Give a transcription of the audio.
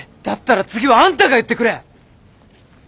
だったら次はあんたが言ってくれ。